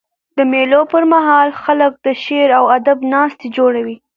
د مېلو پر مهال خلک د شعر او ادب ناستي جوړوي.